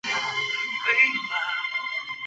晋安帝义熙八年又省。